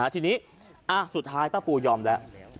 ทีนี้สุดท้ายป้าปูยอมแล้ว